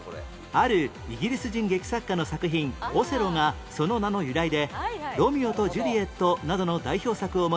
あるイギリス人劇作家の作品『オセロ』がその名の由来で『ロミオとジュリエット』などの代表作を持つ